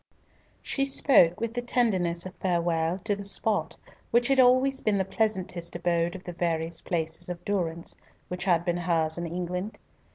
She spoke with the tenderness of farewell to the spot which had always been the pleasantest abode of the various places of durance which had been hers in England.